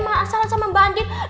masalah sama mbak andin